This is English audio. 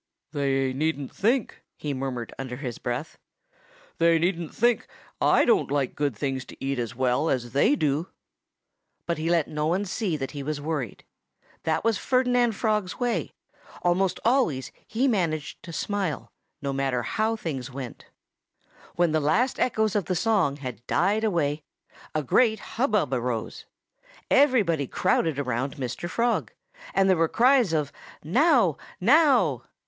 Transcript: "They needn't think " he murmured under his breath "they needn't think I don't like good things to eat as well as they do." But he let no one see that he was worried. That was Ferdinand Frog's way: almost always he managed to smile, no matter how things went. When the last echoes of the song had died away a great hubbub arose. Everybody crowded around Mr. Frog. And there were cries of "Now! Now!"